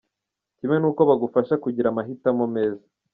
Kimwe n’uko bagufasha kugira mahitamo meza.